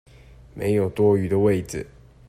沒有多餘的位子